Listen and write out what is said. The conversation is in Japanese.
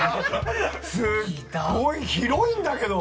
すっごい広いんだけど！